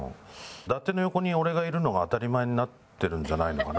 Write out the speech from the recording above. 伊達の横に俺がいるのが当たり前になってるんじゃないのかな。